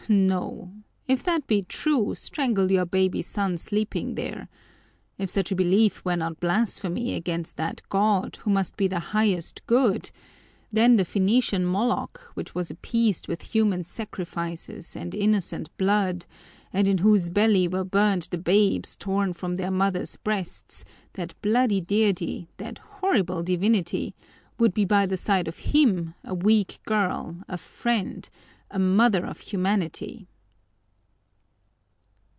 No! If that be true, strangle your baby son sleeping there! If such a belief were not a blasphemy against that God, who must be the Highest Good, then the Phenician Moloch, which was appeased with human sacrifices and innocent blood, and in whose belly were burned the babes torn from their mothers' breasts, that bloody deity, that horrible divinity, would be by the side of Him a weak girl, a friend, a mother of humanity!"